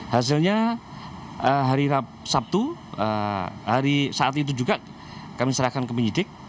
hasilnya hari sabtu hari saat itu juga kami serahkan ke penyidik